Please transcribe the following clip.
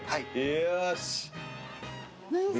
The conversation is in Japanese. よし！